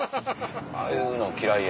ああいうの嫌いや。